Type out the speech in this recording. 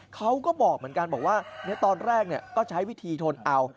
เขาก็บอกเหมือนกันบอกว่าตอนแรกก็ใช้วิธีทนเอา